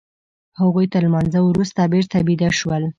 هغوی تر لمانځه وروسته بېرته بيده شول.